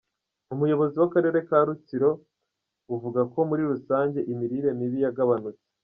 Umuyobozi bw’Akarere ka Rutsiro buvuga ko muri rusange imirire mibi yugabanutse.